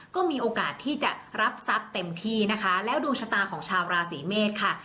ก็มีโอกาสที่จะรับทรัพย์เต็มที่นะคะแล้วดวงชะตาของชาวราศีเมษค่ะ